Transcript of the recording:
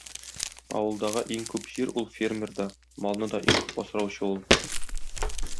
Авылдагы иң күп җир ул фермерда, малны да иң күп асраучы ул.